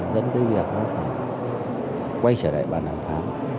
dẫn tới việc quay trở lại bàn đàm pháo